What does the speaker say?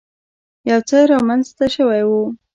يو څه رامخته شوی و.